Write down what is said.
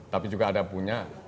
tapi juga ada punya